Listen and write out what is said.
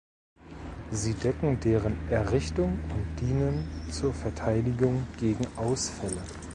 Sie decken deren Errichtung und dienen zur Verteidigung gegen Ausfälle.